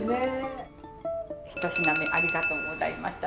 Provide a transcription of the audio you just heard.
一品目ありがとうございました。